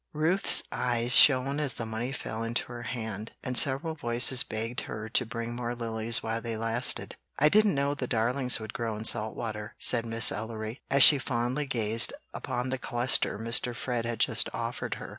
Ruth's eyes shone as the money fell into her hand, and several voices begged her to bring more lilies while they lasted. "I didn't know the darlings would grow in salt water," said Miss Ellery, as she fondly gazed upon the cluster Mr. Fred had just offered her.